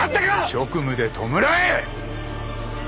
職務で弔え！！